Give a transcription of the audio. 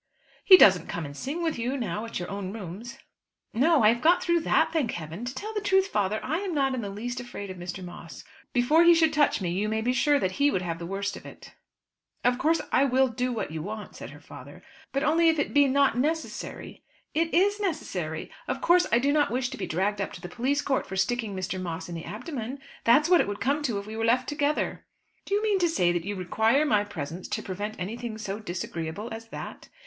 "He doesn't come and sing with you now at your own rooms." "No; I have got through that, thank Heaven! To tell the truth, father, I am not in the least afraid of Mr. Moss. Before he should touch me you may be sure that he would have the worst of it." "Of course I will do what you want," said her father; "but only if it be not necessary " "It is necessary. Of course, I do not wish to be dragged up to the police court for sticking Mr. Moss in the abdomen. That's what it would come to if we were left together." "Do you mean to say that you require my presence to prevent anything so disagreeable as that?"